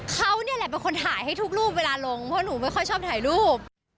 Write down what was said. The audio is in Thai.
เขาเนี่ยแหละเป็นคนถ่ายให้ทุกรูปเวลาลงเพราะหนูไม่ค่อยชอบถ่ายรูป